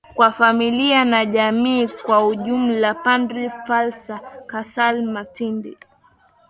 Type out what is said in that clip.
kwa familia na jamii kwa ujumla Padre Flavian Kassala Matindi